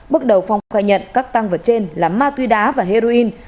bước đầu phong khai nhận các tăng vật trên là ma túy đá và heroin